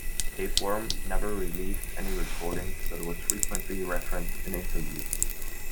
Tapeworm never released any recordings, but was frequently referenced in interviews.